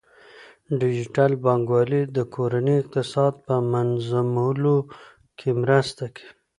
ډیجیټل بانکوالي د کورنۍ اقتصاد په منظمولو کې مرسته کوي.